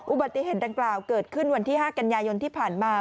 อุบัติเหตุดังกล่าวเกิดขึ้นวันที่๕กันยายนที่ผ่านมา